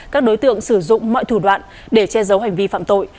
các đối tượng sử dụng mọi thủ đoạn để che giấu hành vi phạm tội